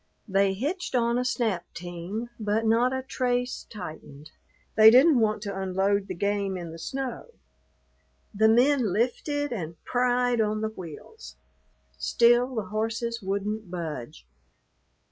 They hitched on a snap team, but not a trace tightened. They didn't want to unload the game in the snow. The men lifted and pried on the wheels. Still the horses wouldn't budge.